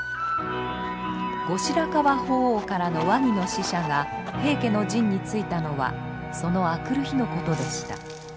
後白河法皇からの和議の使者が平家の陣に着いたのはその明くる日のことでした。